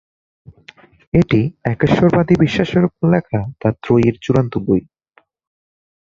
এটি একেশ্বরবাদী বিশ্বাসের উপর লেখা তার ত্রয়ীর চূড়ান্ত বই।